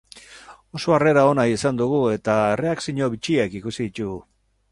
Oso harrera ona izan dugu, eta erreakzio bitxiak ikusi ditugu.